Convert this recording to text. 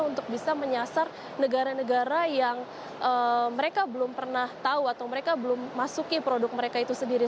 untuk bisa menyasar negara negara yang mereka belum pernah tahu atau mereka belum masuki produk mereka itu sendiri